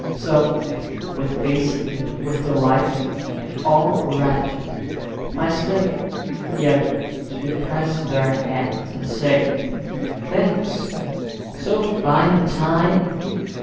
So, with face lit with delight And all gratitude, I stay Yet to press their hands and say, "Thanks. So fine a time